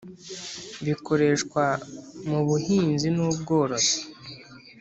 bikoreshwa mu buhinzi n ubworozi